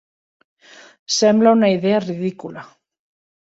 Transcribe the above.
Sembla una idea ridícula.